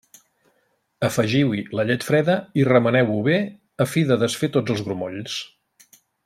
Afegiu-hi la llet freda i remeneu-ho bé a fi de desfer tots els grumolls.